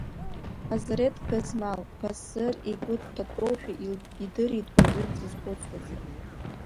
Азреҭ гызмал, Басыр игәы дҭатәоушәа идырит уажәы дзызхәыцуаз.